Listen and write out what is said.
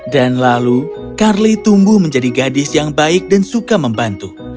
lalu carly tumbuh menjadi gadis yang baik dan suka membantu